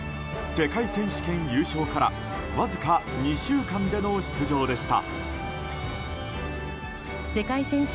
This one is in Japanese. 実は藤波、世界選手権優勝からわずか２週間での出場でした。